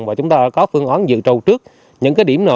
và chúng ta có phương án dự trầu trước những cái điểm nào